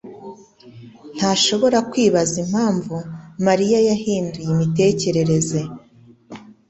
ntashobora kwibaza impamvu Mariya yahinduye imitekerereze.